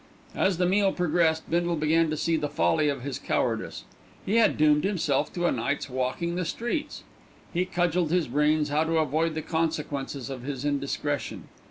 As the meal progressed Bindle began to see the folly of his cowardice. He had doomed himself to a night's walking the streets. He cudgelled his brains how to avoid the consequences of his indiscretion.